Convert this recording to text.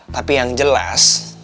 tapi yang jelas